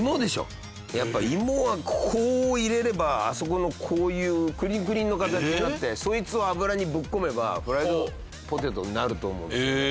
やっぱ芋はこう入れればあそこのこういうクリンクリンの形になってそいつを油にぶっ込めばフライドポテトになると思うんですよ。